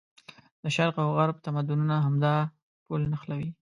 د شرق او غرب تمدونونه همدا پل نښلوي.